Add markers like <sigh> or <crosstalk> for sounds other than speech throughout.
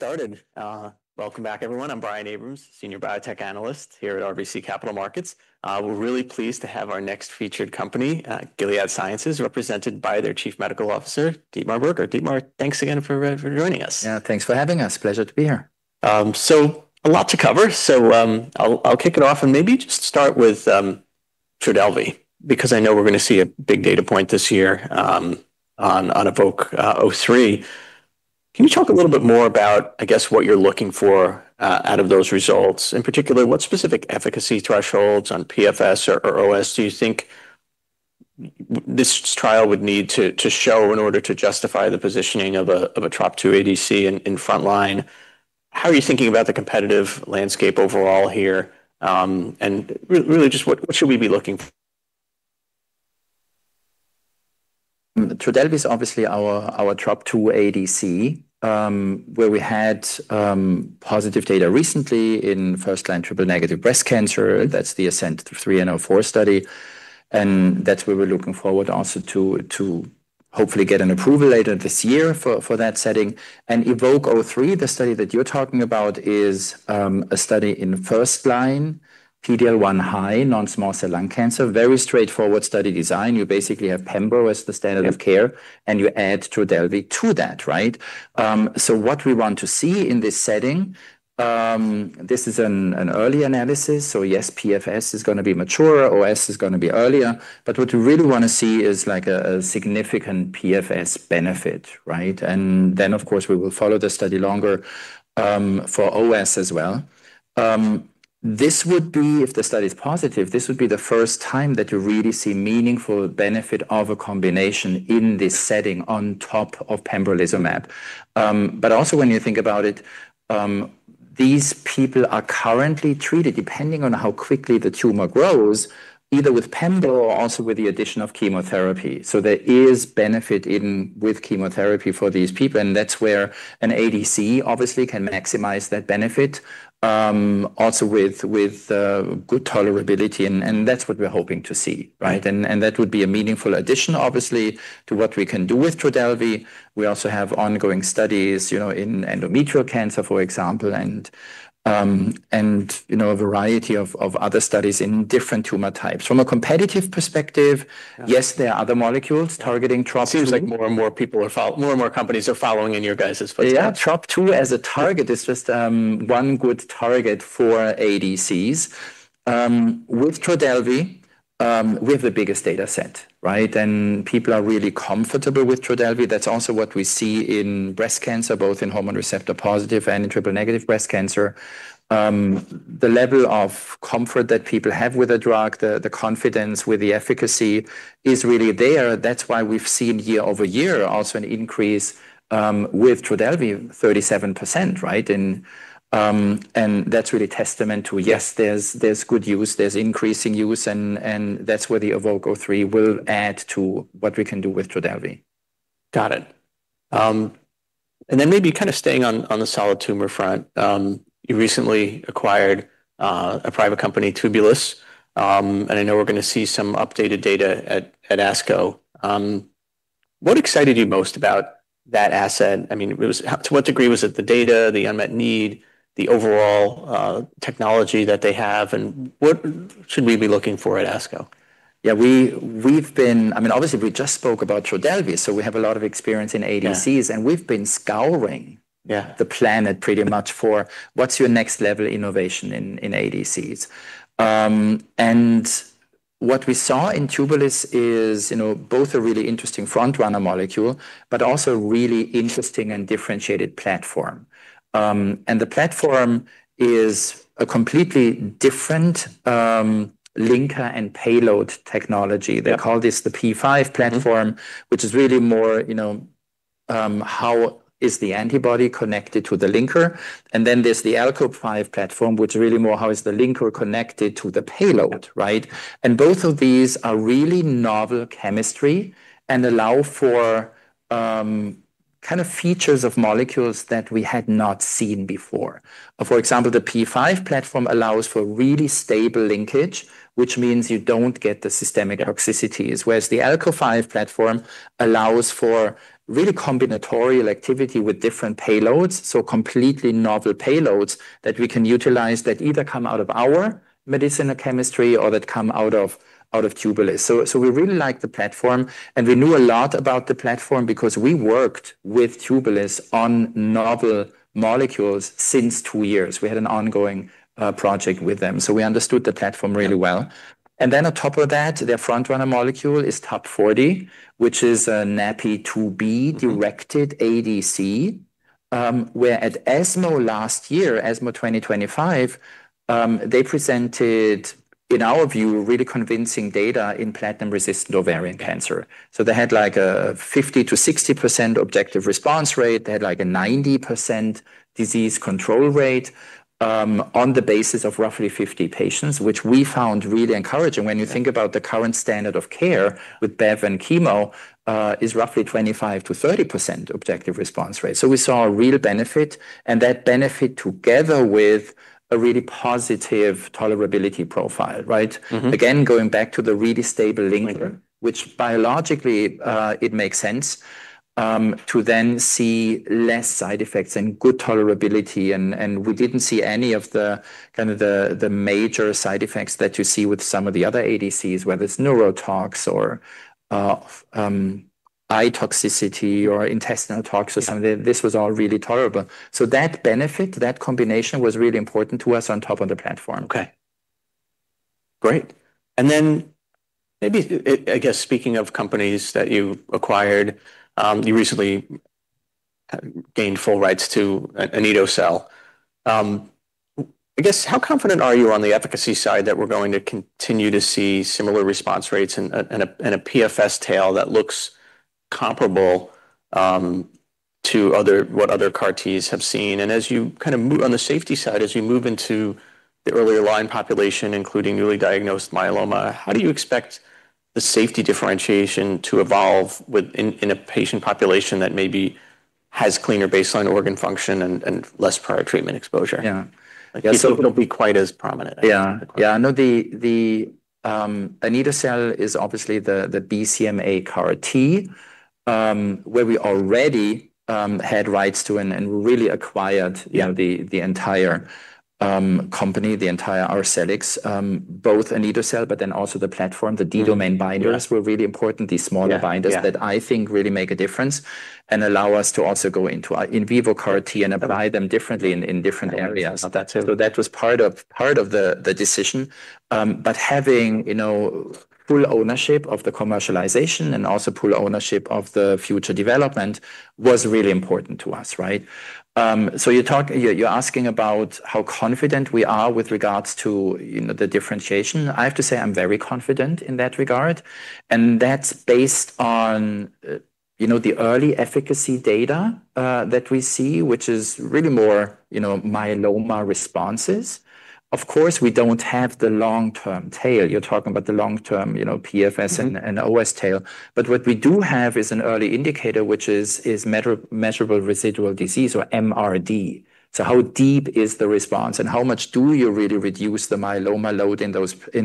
Started. Welcome back, everyone. I'm Brian Abrahams, senior biotech analyst here at RBC Capital Markets. We're really pleased to have our next featured company, Gilead Sciences, represented by their chief medical officer, Dietmar Berger. Dietmar, thanks again for joining us. Yeah, thanks for having us. Pleasure to be here. A lot to cover. I'll kick it off and maybe just start with Trodelvy because I know we're gonna see a big data point this year on EVOKE-03. Can you talk a little bit more about, I guess, what you're looking for out of those results? In particular, what specific efficacy thresholds on PFS or OS do you think this trial would need to show in order to justify the positioning of a TROP2 ADC in frontline? How are you thinking about the competitive landscape overall here? Really just what should we be looking for? Trodelvy is obviously our TROP2 ADC, where we had positive data recently in first-line triple-negative breast cancer. That's the ASCENT-03 and ASCENT-4 study, that's where we're looking forward also to hopefully get an approval later this year for that setting. EVOKE-03, the study that you're talking about, is a study in first-line PD-L1 high non-small cell lung cancer. Very straightforward study design. You basically have pembro as the standard of care. Yeah. You add Trodelvy to that, right? What we want to see in this setting, this is an early analysis, so yes, PFS is gonna be mature, OS is gonna be earlier, but what we really want to see is a significant PFS benefit, right? Of course, we will follow the study longer for OS as well. If the study is positive, this would be the first time that you really see meaningful benefit of a combination in this setting on top of pembrolizumab. Also when you think about it, these people are currently treated, depending on how quickly the tumor grows, either with pembro or also with the addition of chemotherapy. There is benefit in with chemotherapy for these people, and that's where an ADC obviously can maximize that benefit, also with good tolerability and that's what we're hoping to see, right? That would be a meaningful addition obviously to what we can do with Trodelvy. We also have ongoing studies, you know, in endometrial cancer, for example, and, you know, a variety of other studies in different tumor types. From a competitive perspective. Yeah. Yes, there are other molecules targeting TROP2. Seems like more and more companies are following in your guys' footsteps. Yeah. TROP2 as a target is just one good target for ADCs. With Trodelvy, we have the biggest data set, right? People are really comfortable with Trodelvy. That's also what we see in breast cancer, both in hormone receptor-positive and in triple-negative breast cancer. The level of comfort that people have with the drug, the confidence with the efficacy is really there. That's why we've seen year-over-year also an increase with Trodelvy 37%, right? That's really testament to yes, there's good use, there's increasing use and that's where the EVOKE-03 will add to what we can do with Trodelvy. Got it. Maybe kind of staying on the solid tumor front. You recently acquired a private company, Tubulis, and I know we're gonna see some updated data at ASCO. What excited you most about that asset? To what degree was it the data, the unmet need, the overall technology that they have, and what should we be looking for at ASCO? Yeah. We've been I mean, obviously, we just spoke about Trodelvy, so we have a lot of experience in ADCs. Yeah. We've been. Yeah. The planet pretty much for what's your next level innovation in ADCs. What we saw in Tubulis is, you know, both a really interesting frontrunner molecule, but also really interesting and differentiated platform. The platform is a completely different linker and payload technology. Yeah. They call this the P5 platform which is really more, you know, how is the antibody connected to the linker. There's the Alco5 platform, which is really more how is the linker connected to the payload. Yeah. Right? Both of these are really novel chemistry and allow for kind of features of molecules that we had not seen before. For example, the P5 platform allows for really stable linkage, which means you don't get the systemic toxicities, whereas the Alco5 platform allows for really combinatorial activity with different payloads, so completely novel payloads that we can utilize that either come out of our medicinal chemistry or that come out of Tubulis. We really like the platform, and we knew a lot about the platform because we worked with Tubulis on novel molecules since two years. We had an ongoing project with them, we understood the platform really well. On top of that, their front-runner molecule is TUB-040, which is a NaPi2b directed ADC, where at ESMO last year, ESMO 2025, they presented, in our view, really convincing data in platinum-resistant ovarian cancer. They had like a 50%-60% objective response rate. They had like a 90% disease control rate on the basis of roughly 50 patients, which we found really encouraging. When you think about the current standard of care with bev and chemo, is roughly 25%-30% objective response rate. We saw a real benefit, and that benefit together with a really positive tolerability profile. Going back to the really stable linking. <inaudible> Which biologically, it makes sense. To then see less side effects and good tolerability and we didn't see any of the, kind of the major side effects that you see with some of the other ADCs, whether it's neurotox or eye toxicity or intestinal tox or something. This was all really tolerable. That benefit, that combination was really important to us on top of the platform. Okay. Great. Then maybe, I guess speaking of companies that you've acquired, you recently gained full rights to anito-cel. I guess how confident are you on the efficacy side that we're going to continue to see similar response rates and a PFS tail that looks comparable to other what other CAR Ts have seen? As you kind of move on the safety side, as you move into the earlier line population, including newly diagnosed myeloma, how do you expect the safety differentiation to evolve with in a patient population that maybe has cleaner baseline organ function and less prior treatment exposure? Yeah. I guess it'll be quite as prominent. Yeah. Yeah. No, the anito-cel is obviously the BCMA CAR T, where we already had rights to and really acquired. Yeah. You know, the entire, company, the entire Arcellx, both anito-cel, but then also the platform, the D-Domain binders. Yeah. Were really important, these smaller binders. Yeah, yeah. That I think really make a difference and allow us to also go into our in vivo CAR T and apply them differently in different areas. That's it. That was part of the decision. Having, you know, full ownership of the commercialization and also full ownership of the future development was really important to us, right? You're asking about how confident we are with regards to, you know, the differentiation. I have to say I'm very confident in that regard, and that's based on, you know, the early efficacy data that we see, which is really more, you know, myeloma responses. Of course, we don't have the long-term tail. You're talking about the long-term, you know, PFS and OS tail. What we do have is an early indicator, which is measurable residual disease or MRD. How deep is the response, and how much do you really reduce the myeloma load in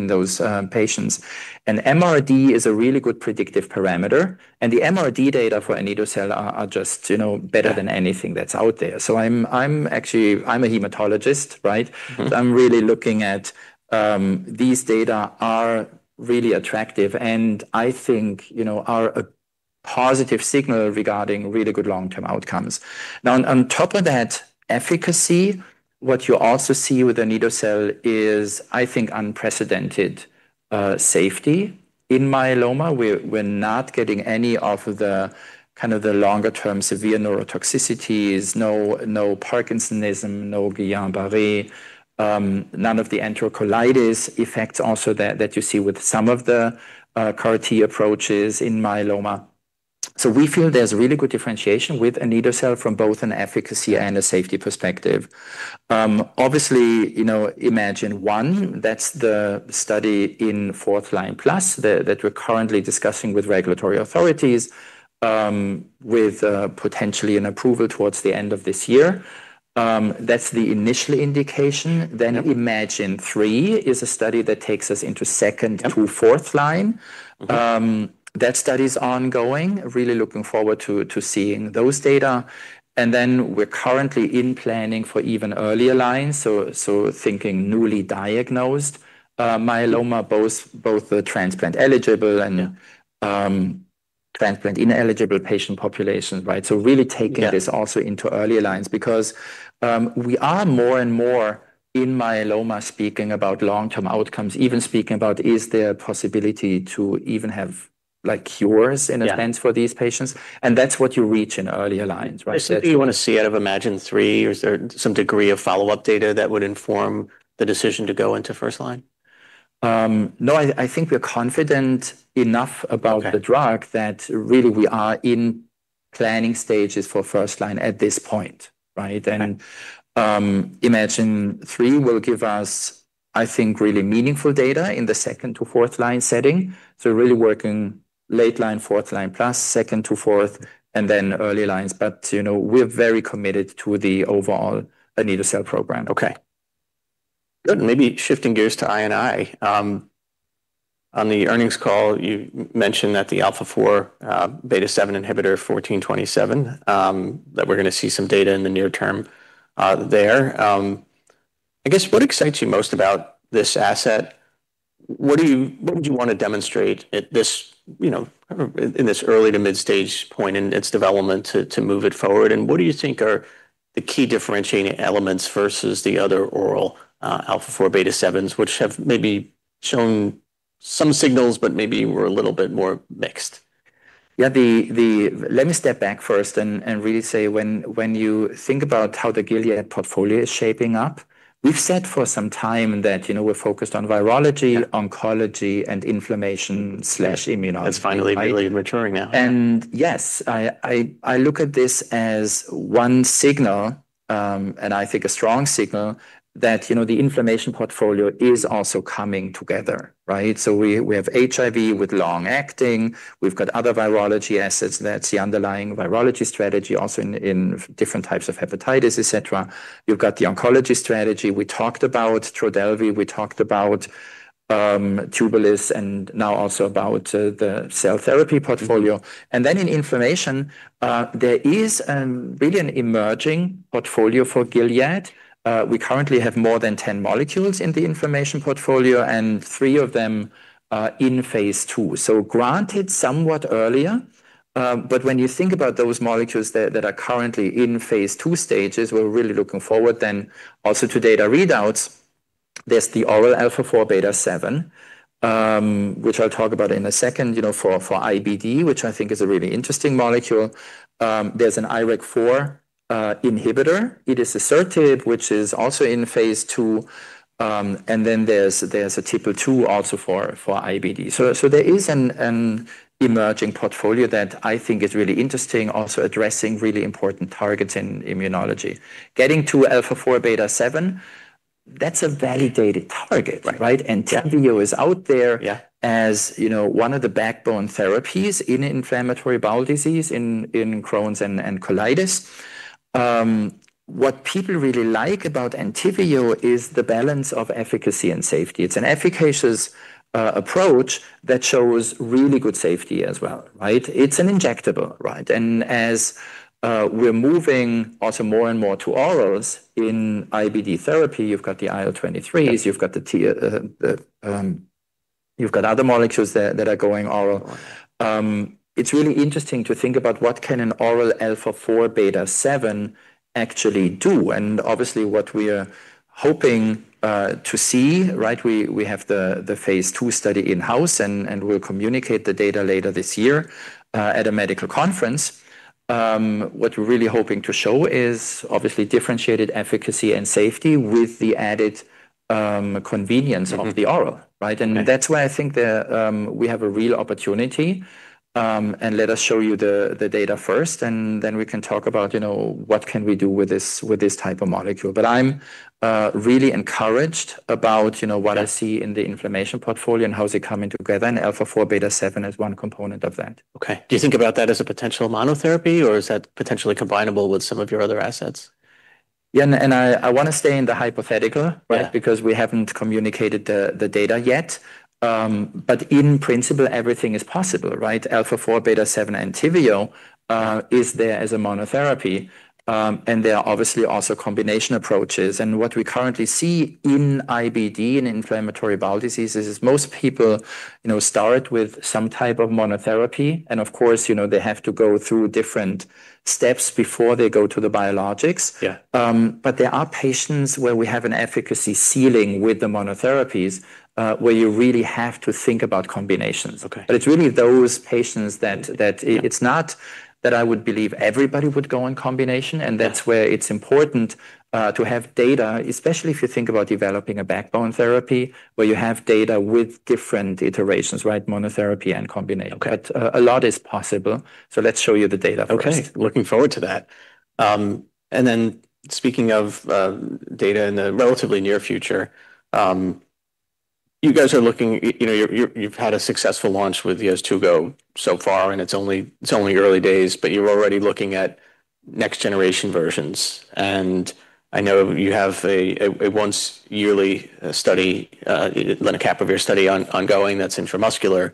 those patients? MRD is a really good predictive parameter, and the MRD data for anito-cel are just, you know, better than anything that's out there. I'm actually I'm a hematologist, right? I'm really looking at, these data are really attractive and I think, you know, are a positive signal regarding really good long-term outcomes. On top of that efficacy, what you also see with anito-cel is, I think, unprecedented safety in myeloma. We're not getting any of the, kind of the longer term severe neurotoxicities, no Parkinsonism, no Guillain-Barré, none of the enterocolitis effects also that you see with some of the CAR T approaches in myeloma. We feel there's really good differentiation with anito-cel from both an efficacy and a safety perspective. Obviously, you know, iMMagine-1, that's the study in fourth line plus that we're currently discussing with regulatory authorities, with potentially an approval towards the end of this year. That's the initial indication. Yeah. iMMagine-3 is a study that takes us into second to fourth line. Okay. That study is ongoing. Really looking forward to seeing those data. Then we're currently in planning for even earlier lines, so thinking newly diagnosed myeloma, both the transplant eligible and transplant ineligible patient population, right? Yeah. This also into earlier lines because we are more and more in myeloma speaking about long-term outcomes, even speaking about is there a possibility to even have, like, cures in a sense. Yeah. For these patients. That's what you reach in earlier lines, right? Is that what you want to see out of iMMagine-3, or is there some degree of follow-up data that would inform the decision to go into first line? No, I think we're confident enough. Okay. About the drug that really we are in planning stages for first line at this point, right? Okay. iMMagine-3 will give us, I think, really meaningful data in the second to fourth-line setting. Really working late-line, fourth-line plus second to fourth, and then early-lines. We're very committed to the overall anito-cel program. Okay. Good. Maybe shifting gears to I&I. On the earnings call, you mentioned that the alpha-4 beta-7 inhibitor GS-1427, that we're going to see some data in the near term there. I guess what excites you most about this asset? What would you want to demonstrate at this, you know, in this early to mid-stage point in its development to move it forward? What do you think are the key differentiating elements versus the other oral alpha-4 beta-7s, which have maybe shown some signals, but maybe were a little bit more mixed? Yeah. Let me step back first and really say when you think about how the Gilead portfolio is shaping up, we've said for some time that, you know, we're focused on virology. Yeah. Oncology and inflammation slash immunology, right? It's finally really maturing now. Yes, I look at this as one signal, and I think a strong signal that, you know, the inflammation portfolio is also coming together, right? We have HIV with long-acting, we've got other virology assets. That's the underlying virology strategy also in different types of hepatitis, et cetera. You've got the oncology strategy. We talked about Trodelvy, we talked about Tubulis and now also about the cell therapy portfolio. In inflammation, there is really an emerging portfolio for Gilead. We currently have more than 10 molecules in the inflammation portfolio, and three of them are in phase II. Granted somewhat earlier, but when you think about those molecules that are currently in phase II stages, we're really looking forward then also to data readouts. There's the oral α4β7, which I'll talk about in a second, you know, for IBD, which I think is a really interesting molecule. There's an IRAK4 inhibitor. edecesertib, which is also in phase II. There's a TYK2 also for IBD. There is an emerging portfolio that I think is really interesting, also addressing really important targets in immunology. Getting to α4β7, that's a validated target, right? Yeah. ENTYVIO is out there. Yeah. As, you know, one of the backbone therapies in inflammatory bowel disease in Crohn's and colitis. What people really like about ENTYVIO is the balance of efficacy and safety. It's an efficacious approach that shows really good safety as well, right? It's an injectable, right? As we're moving also more and more to orals in IBD therapy, you've got the IL-23s. Yeah. You've got the, you've got other molecules that are going oral. It's really interesting to think about what can an oral α4β7 actually do, and obviously what we are hoping to see, right? We have the phase II study in-house, and we'll communicate the data later this year at a medical conference. What we're really hoping to show is obviously differentiated efficacy and safety with the added convenience of the oral, right? Okay. That's why I think we have a real opportunity, and let us show you the data first, and then we can talk about, you know, what can we do with this, with this type of molecule. I'm really encouraged about, you know. Yeah. What I see in the inflammation portfolio and how they're coming together, and α4β7 is one component of that. Okay. Do you think about that as a potential monotherapy, or is that potentially combinable with some of your other assets? Yeah, and I wanna stay in the hypothetical, right? Yeah. Because we haven't communicated the data yet. In principle, everything is possible, right? α4β7 ENTYVIO is there as a monotherapy. There are obviously also combination approaches, and what we currently see in IBD, in inflammatory bowel diseases, is most people, you know, start with some type of monotherapy. Of course, you know, they have to go through different steps before they go to the biologics. Yeah. There are patients where we have an efficacy ceiling with the monotherapies, where you really have to think about combinations. Okay. It's really those patients that it's not that I would believe everybody would go on combination. Yeah. That's where it's important to have data, especially if you think about developing a backbone therapy, where you have data with different iterations, right? Monotherapy and combination. Okay. A lot is possible. Let's show you the data first. Okay. Looking forward to that. Speaking of data in the relatively near future, you guys are looking, you know, you've had a successful launch with YEZTUGO so far, and it's only early days, but you're already looking at next generation versions. I know you have a once yearly study lenacapavir study ongoing that's intramuscular.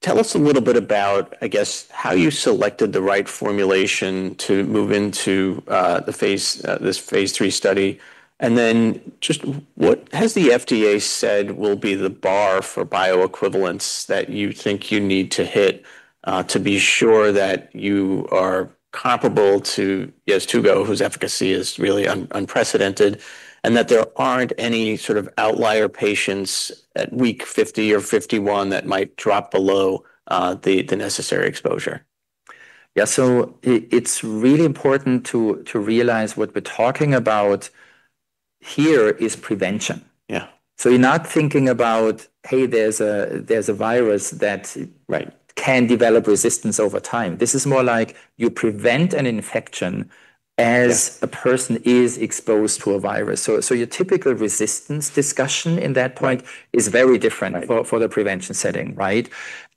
Tell us a little bit about, I guess, how you selected the right formulation to move into the phase, this phase III study. Just what has the FDA said will be the bar for bioequivalence that you think you need to hit to be sure that you are comparable to YEZTUGO, whose efficacy is really unprecedented, and that there aren't any sort of outlier patients at week 50 or 51 that might drop below the necessary exposure? Yeah. It's really important to realize what we're talking about here is prevention. Yeah. You're not thinking about, hey, there's a virus. Right. That can develop resistance over time. This is more like you prevent an infection. Yeah. A person is exposed to a virus. Your typical resistance discussion in that point is very different. Right. for the prevention setting, right?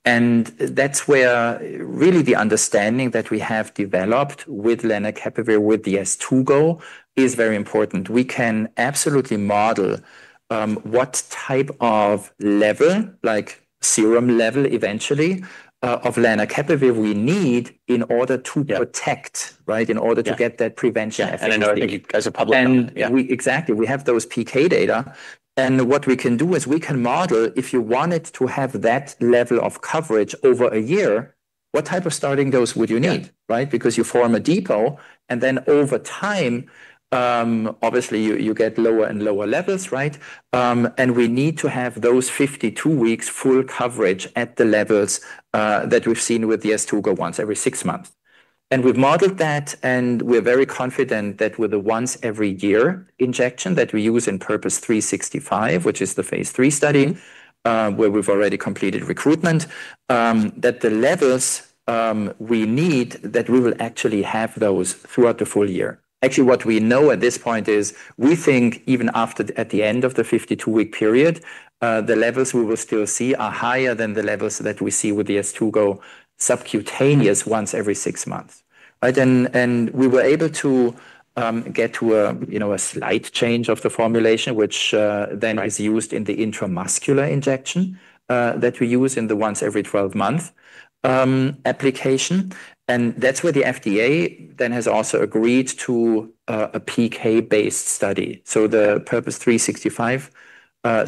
That's where really the understanding that we have developed with lenacapavir, with the YEZTUGO is very important. We can absolutely model, what type of level, like serum level eventually, of lenacapavir we need in order to protect. Yeah. Right? Yeah. Get that prevention efficacy. Yeah. I know I think as a public comment, yeah. Exactly, we have those PK data, what we can do is we can model if you wanted to have that level of coverage over a year, what type of starting dose would you need? Yeah. Right? Because you form a depot, then over time, obviously you get lower and lower levels, right? We need to have those 52 weeks full coverage at the levels that we've seen with YEZTUGO once every six months. We've modeled that, and we're very confident that with the once every year injection that we use in PURPOSE 365, which is the phase III study, where we've already completed recruitment, that the levels we need, that we will actually have those throughout the full year. Actually, what we know at this point is we think even at the end of the 52-week period. The levels we will still see are higher than the levels that we see with the YEZTUGO subcutaneous once every six months. Right. We were able to get to a, you know, a slight change of the formulation, which. Right. is used in the intramuscular injection that we use in the once every 12 month application. That's where the FDA then has also agreed to a PK-based study. The PURPOSE 365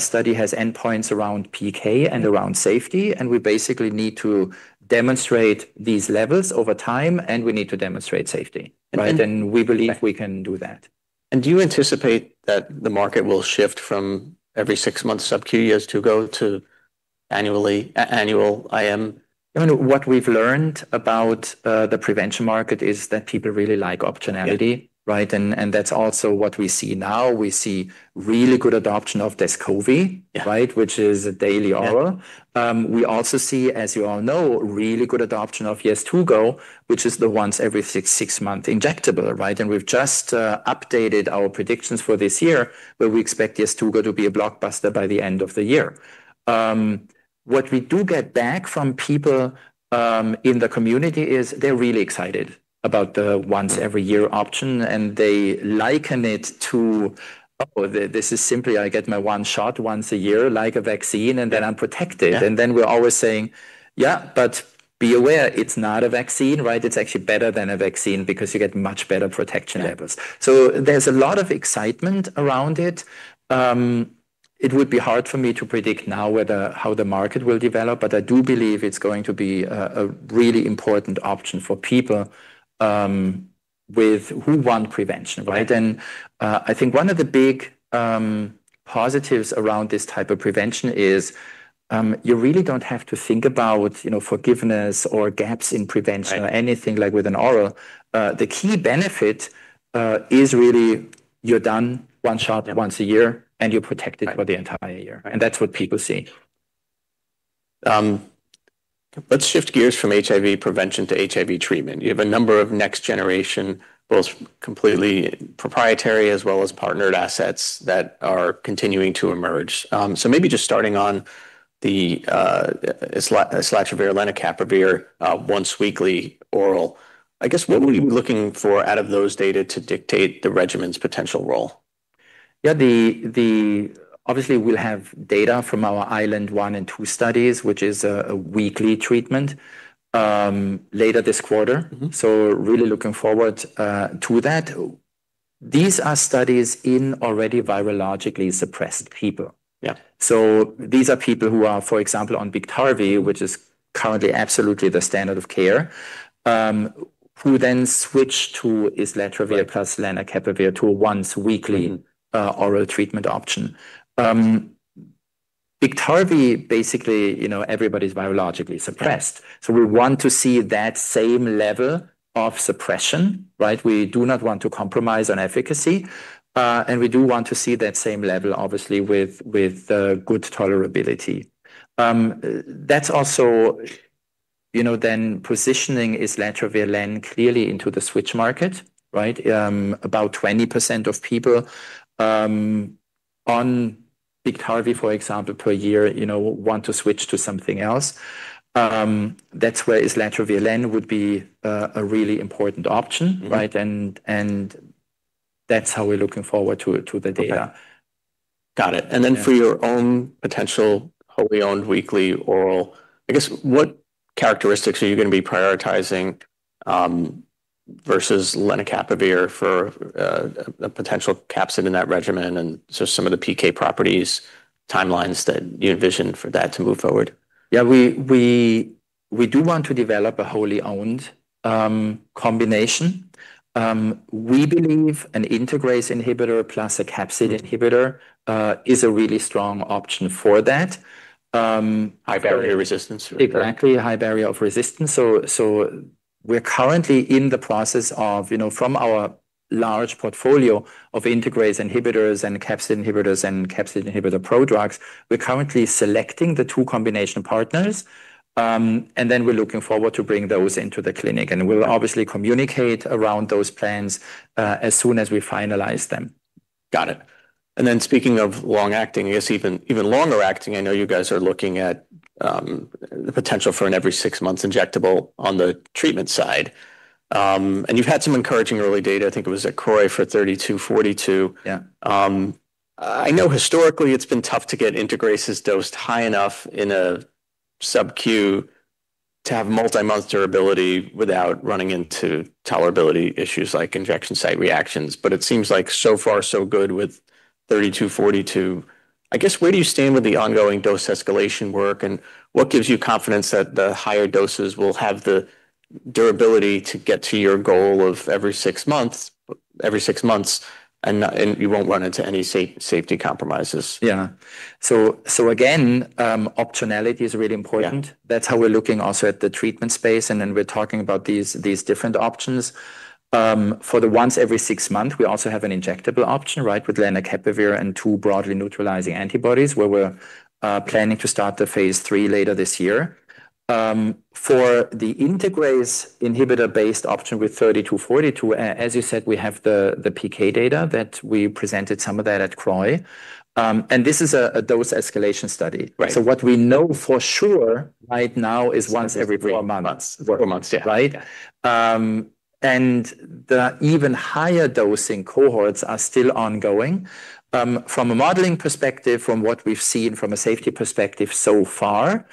study has endpoints around PK and around safety, and we basically need to demonstrate these levels over time, and we need to demonstrate safety. Right? And. We believe we can do that. Do you anticipate that the market will shift from every six months subcu <inaudible> YEZTUGO to annual IM? You know what we've learned about, the prevention market is that people really like optionality. Yeah. Right? That's also what we see now. We see really good adoption of Descovy. Yeah. Right? Which is a daily oral. Yeah. We also see, as you all know, really good adoption of YEZTUGO, which is the once every six month injectable, right? We've just updated our predictions for this year, where we expect YEZTUGO to be a blockbuster by the end of the year. What we do get back from people in the community is they're really excited about the once every year option, and they liken it to, oh, this is simply I get my one shot once a year like a vaccine, and then I'm protected. Yeah. We're always saying, "Yeah, but be aware it's not a vaccine, right? It's actually better than a vaccine because you get much better protection levels. Yeah. There's a lot of excitement around it. It would be hard for me to predict now whether how the market will develop, but I do believe it's going to be a really important option for people who want prevention, right? I think one of the big positives around this type of prevention is you really don't have to think about, you know, forgiveness or gaps in prevention. Right. Or anything like with an oral. The key benefit is really you're done one shot. Yeah. Once a year, and you're protected. Right. For the entire year. Right. That's what people see. Let's shift gears from HIV prevention to HIV treatment. You have a number of next generation, both completely proprietary as well as partnered assets that are continuing to emerge. Maybe just starting on the islatravir/lenacapavir once weekly oral, what were you looking for out of those data to dictate the regimen's potential role? Yeah. Obviously we'll have data from our ISLEND-1 and ISLEND-2 studies, which is a weekly treatment, later this quarter. Really looking forward to that. These are studies in already virologically suppressed people. Yeah. These are people who are, for example, on Biktarvy, which is currently absolutely the standard of care, who then switch to islatravir plus lenacapavir to a once weekly. oral treatment option. Biktarvy basically, you know, everybody's virologically suppressed. Yeah. We want to see that same level of suppression, right? We do not want to compromise on efficacy, and we do want to see that same level obviously with, good tolerability. That's also, you know, then positioning islatravir/len clearly into the switch market, right? About 20% of people, on BiktarvyI, for example, per year, you know, want to switch to something else. That's where islatravir/len would be, a really important option. Right? That's how we're looking forward to the data. Okay. Got it. Yeah. For your own potential wholly owned weekly oral, I guess what characteristics are you gonna be prioritizing versus lenacapavir for a potential capsid in that regimen, some of the PK properties, timelines that you envision for that to move forward? Yeah. We do want to develop a wholly owned combination. We believe an integrase inhibitor plus a capsid inhibitor is a really strong option for that. High barrier resistance. Exactly. High barrier of resistance. We're currently in the process of, you know, from our large portfolio of integrase inhibitors and capsid inhibitors and capsid inhibitor prodrugs, we're currently selecting the two combination partners. We're looking forward to bring those into the clinic. Right. We'll obviously communicate around those plans, as soon as we finalize them. Got it. Speaking of long-acting, I guess even longer acting, I know you guys are looking at the potential for an every six months injectable on the treatment side. You've had some encouraging early data. I think it was at CROI for GS-3242. Yeah. I know historically it's been tough to get integrases dosed high enough in a subcu to have multi-month durability without running into tolerability issues like injection site reactions. It seems like so far so good with GS-3242. I guess where do you stand with the ongoing dose escalation work, and what gives you confidence that the higher doses will have the durability to get to your goal of every six months and you won't run into any safety compromises? Yeah. Again, optionality is really important. Yeah. That's how we're looking also at the treatment space, and then we're talking about these different options. For the once every six month, we also have an injectable option, right, with lenacapavir and two broadly neutralizing antibodies, where we're planning to start the phase III later this year. For the integrase inhibitor-based option with GS-3242, as you said, we have the PK data that we presented some of that at CROI. And this is a dose escalation study. Right. What we know for sure right now is once every four months. Three months. Four months. Yeah. Right? Yeah. The even higher dosing cohorts are still ongoing. From a modeling perspective, from what we've seen from a safety perspective so far,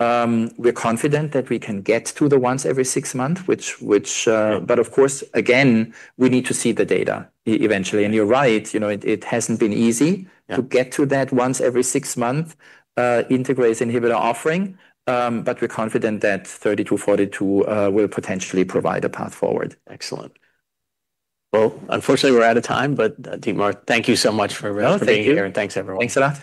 we're confident that we can get to the once every six month. Of course, again, we need to see the data eventually. You're right, you know, it hasn't been easy. Yeah. To get to that once every six month integrase inhibitor offering. We're confident that GS-3242 will potentially provide a path forward. Excellent. Well, unfortunately we're out of time, but Dietmar, thank you so much. Oh, thank you. For being here, and thanks everyone. Thanks a lot.